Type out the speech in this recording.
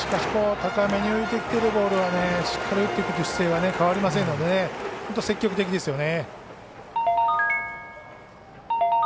高めに浮いてきてるボールをしっかり打っていくという姿勢は変わりませんので本当に積極的ですよね。